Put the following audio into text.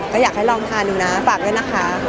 ก็อยากให้ลองทานดูนะฝากด้วยนะคะ